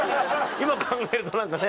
今考えるとなんかね。